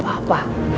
duduk gak ada apa apa